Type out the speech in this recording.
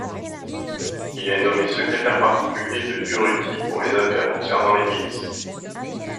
Il est nommé secrétaire particulier de Durruti pour les affaires concernant les milices.